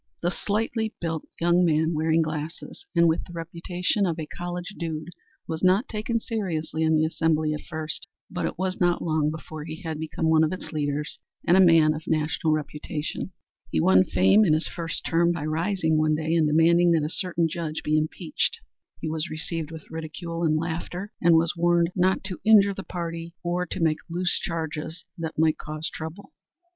The slightly built young man wearing glasses and with the reputation of a college dude was not taken seriously in the Assembly at first, but it was not long before he had become one of its leaders and a man of national reputation. He won fame in his first term by rising one day and demanding that a certain judge be impeached. He was received with ridicule and laughter, and was warned not to injure the party, or to make "loose charges" that might cause trouble.